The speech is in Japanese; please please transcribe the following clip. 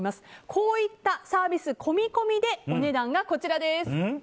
こういったサービス込み込みで、お値段がこちら。